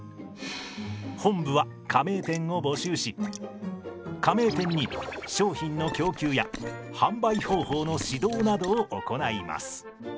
本部は加盟店を募集し加盟店に商品の供給や販売方法の指導などを行います。